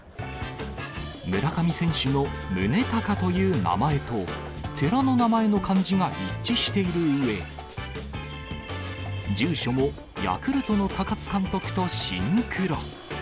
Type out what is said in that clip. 村上選手の宗隆という名前と、寺の名前の漢字が一致しているうえ、住所もヤクルトの高津監督とシンクロ。